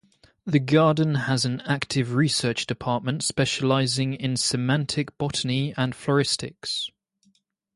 The garden has an active research department, specializing in systematic botany and floristics.